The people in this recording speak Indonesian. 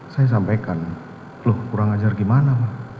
saya sampaikan loh kurang ajar gimana pak